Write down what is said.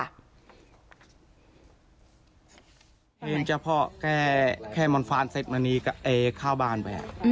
เห็นเจ้าพ่อแค่มอนฟานเสร็จมานี้เข้าบ้านไป